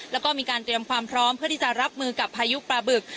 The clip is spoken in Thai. แล้วก็มีการเตรียมความพร้อมเพื่อที่จะรับมือกับพายุปลาบึก